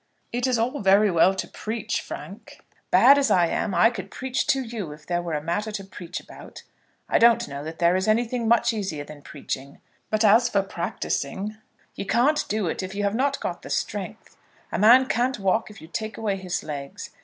"It is all very well to preach, Frank. Bad as I am I could preach to you if there were a matter to preach about. I don't know that there is anything much easier than preaching. But as for practising, you can't do it if you have not got the strength. A man can't walk if you take away his legs.